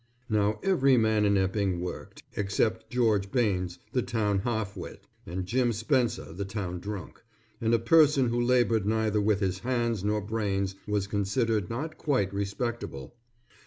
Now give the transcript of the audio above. Now every man in Epping worked, except George Banes the town half wit, and Jim Spencer the town drunk, and a person who labored neither with his hands nor brains was considered not quite respectable.